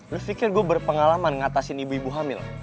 lo pikir gue berpengalaman ngatasin ibu ibu hamil